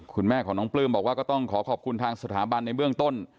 คุณแม่ของน้องปลื้มบอกว่าก็ต้องขอขอบคุณทางสถาบันในเบื้องต้น